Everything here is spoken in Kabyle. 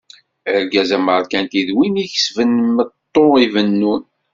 Argaz ameṛkanti d win ikesben meṭṭu ibennun.